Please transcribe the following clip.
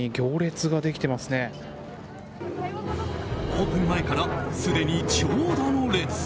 オープン前からすでに長蛇の列。